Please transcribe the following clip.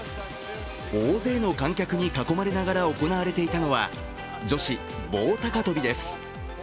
大勢の観客に囲まれながら行われていたのは、女子棒高跳です。